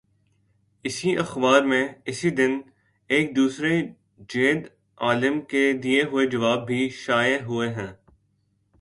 اسی اخبار میں، اسی دن، ایک دوسرے جید عالم کے دیے ہوئے جواب بھی شائع ہوئے ہیں۔